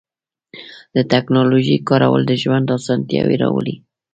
د تکنالوژۍ کارول د ژوند آسانتیاوې راولي.